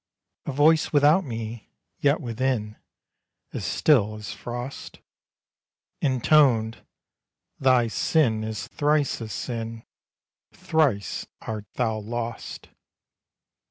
A voice without me, yet within, As still as frost, Intoned: _Thy sin is thrice a sin, Thrice art thou lost.